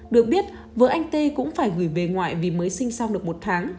được biết vợ anh tê cũng phải gửi về ngoại vì mới sinh xong được một tháng